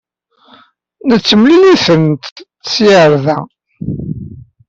Nettemlil-itent ssya ɣer da.